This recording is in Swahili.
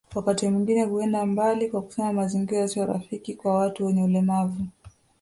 Wakati mwingine huenda mbali kwa kusema mazingira sio rafiki kwa watu wenye ulemavu